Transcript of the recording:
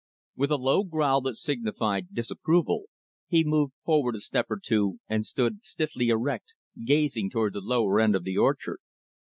With a low growl that signified disapproval, he moved forward a step or two and stood stiffly erect, gazing toward the lower end of the orchard.